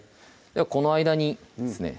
この間にですね